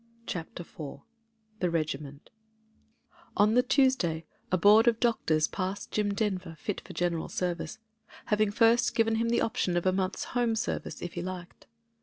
CHAPTER IV THE regiment'' ON the Tuesday a board of doctors passed Jim Denver fit for General Service, having first given him the option of a month's home service if he liked.